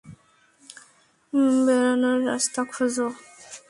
বেরানোর রাস্তা খোঁজো।